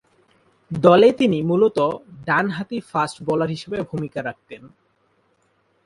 দলে তিনি মূলতঃ ডানহাতি ফাস্ট বোলার হিসেবে ভূমিকা রাখতেন।